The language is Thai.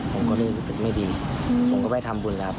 ผมก็เลยรู้สึกไม่ดีผมก็ไปทำบุญแล้ว